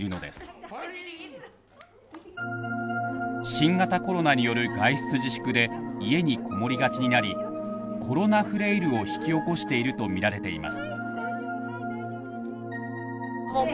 新型コロナによる外出自粛で家にこもりがちになり「コロナフレイル」を引き起こしているとみられています。